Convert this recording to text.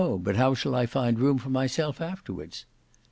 But how shall I find room for myself afterwards?"